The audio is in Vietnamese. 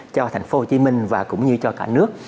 cho thành phố hồ chí minh và cũng như cho cả nước